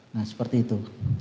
nah seperti itu